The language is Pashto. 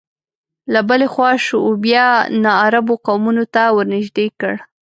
له بلې خوا شعوبیه ناعربو قومونو ته ورنژدې کړ